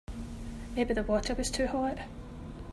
Maybe the water was too hot.